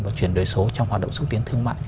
và chuyển đổi số trong hoạt động xúc tiến thương mại